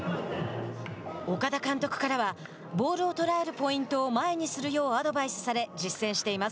岡田監督からはボールを捉えるポイントを前にするようアドバイスされ実践しています。